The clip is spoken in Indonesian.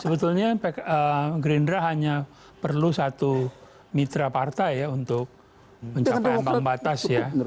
sebetulnya gerindra hanya perlu satu mitra partai ya untuk mencapai ambang batas ya